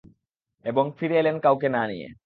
এবং ফিরে এলেন কাউকে না নিয়ে।